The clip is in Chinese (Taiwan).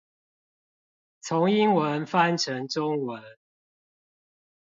從英文翻成中文